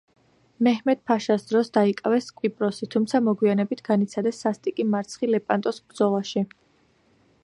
მეჰმედ-ფაშას დროს დაიკავეს კვიპროსი, თუმცა მოგვიანებით განიცადეს სასტიკი მარცხი ლეპანტოს ბრძოლაში.